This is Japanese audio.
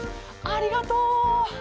ありがとう！